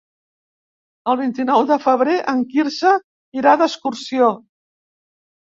El vint-i-nou de febrer en Quirze irà d'excursió.